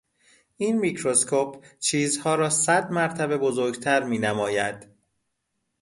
این میکروسکپ چیزها را صد مرتبه بزرگتر مینماید.